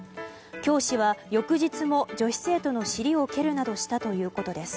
教師は翌日も女子生徒の尻を蹴るなどしたということです。